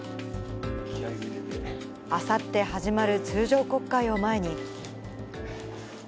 あさって始まる通常国会を前に。